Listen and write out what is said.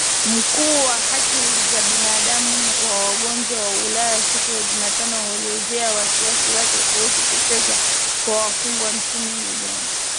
Mkuu wa haki za binadamu wa Umoja wa Ulaya siku ya Jumatano alielezea wasiwasi wake kuhusu kuteswa kwa wafungwa nchini Uganda.